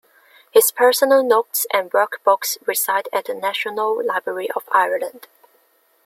His personal notes and work books reside at the National Library of Ireland.